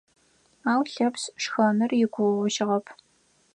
Ау Лъэпшъ шхэныр игугъужьыгъэп.